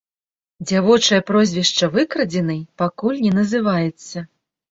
Дзявочае прозвішча выкрадзенай пакуль не называецца.